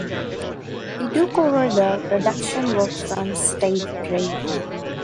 He took over the production work from Steve Bray.